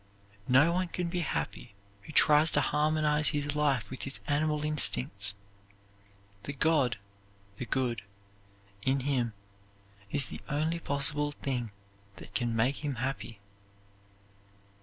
No one can be happy who tries to harmonize his life with his animal instincts. The God (the good) in him is the only possible thing that can make him happy.